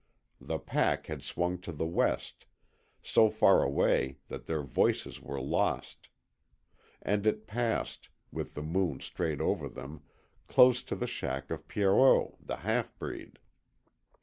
The pack had swung to the west so far away that their voices were lost. And it passed with the moon straight over them close to the shack of Pierrot, the halfbreed.